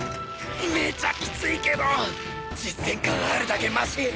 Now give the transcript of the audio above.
めちゃキツいけど実戦感あるだけマシッ！